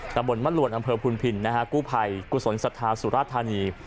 ระบวนมะลวนอำเภอพูนพินกู้ภัยกุศลสถาสุรธานี